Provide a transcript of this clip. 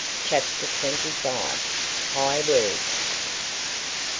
CHAPTER TWENTY FIVE. HIGH WORDS.